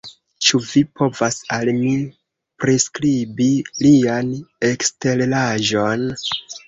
Ĉu vi povas al mi priskribi lian eksteraĵon?